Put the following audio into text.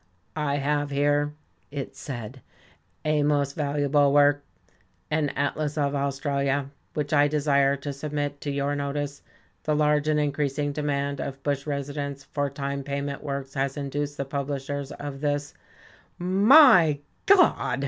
"I have here," it said, "a most valuable work, an Atlas of Australia, which I desire to submit to your notice. The large and increasing demand of bush residents for time payment works has induced the publishers of this " "My God!"